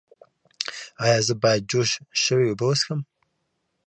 ایا زه باید جوش شوې اوبه وڅښم؟